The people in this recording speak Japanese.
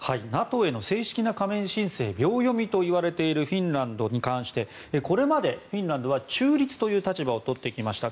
ＮＡＴＯへの正式な加盟申請秒読みといわれているフィンランドに関してこれまでフィンランドは中立という立場を取ってきました。